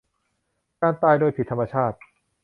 การตายโดยผิดธรรมชาติ